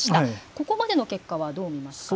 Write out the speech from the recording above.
ここまでの結果はどう見ますか。